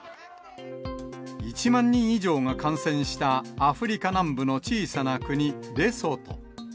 １万人以上が感染したアフリカ南部の小さな国、レソト。